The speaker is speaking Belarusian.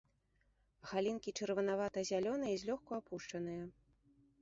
Галінкі чырванавата-зялёныя і злёгку апушчаныя.